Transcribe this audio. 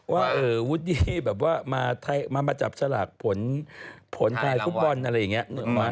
วูดดี้แบบว่ามาจับฉลากผลไทยฟุตบอลอะไรอย่างนี้